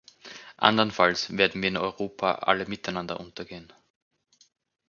Andernfalls werden wir in Europa alle miteinander untergehen.